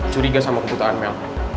curiga sama kebutuhan mel